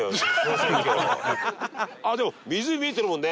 ああでも湖見えてるもんね。